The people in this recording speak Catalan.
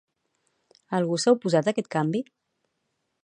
Algú s'ha oposat a aquest canvi?